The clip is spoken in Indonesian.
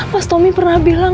mas tommy pernah bilang